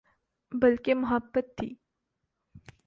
بلکہ محبت تھی